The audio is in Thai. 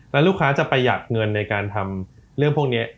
แล้วลูกค้าจะประหยัดเงินในการทำเรื่องพวกนี้